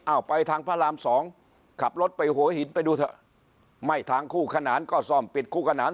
เอาไปทางพระรามสองขับรถไปหัวหินไปดูเถอะไม่ทางคู่ขนานก็ซ่อมปิดคู่ขนาน